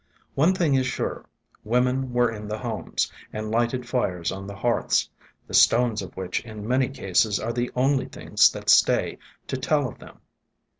One thing is sure: women were in the homes, and lighted fires on the hearths, the stones of which in many cases are the only things that stay to tell of them.